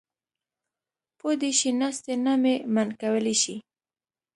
پو دې شي ناستې نه مې منع کولی شي.